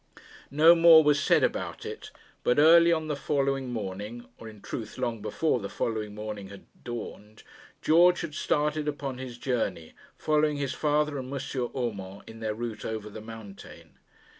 No more was said about it; but early on the following morning, or in truth long before the morning had dawned, George had started upon his journey, following his father and M. Urmand in their route over the mountain.